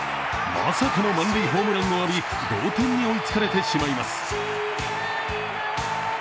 まさかの満塁ホームランを浴び、同点に追いつかれてしまいます。